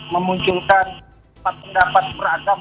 memunculkan pendapat beragam